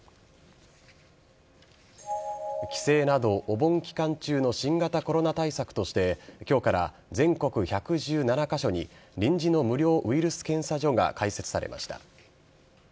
帰省などお盆期間中の新型コロナ対策として今日から全国１１７カ所に臨時の無料ウイルス検査所が開設されました。